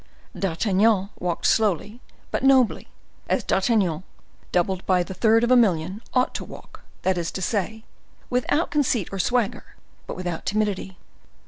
D'Artagnan walked slowly but nobly, as D'Artagnan, doubled by the third of a million, ought to walk, that is to say, without conceit or swagger, but without timidity.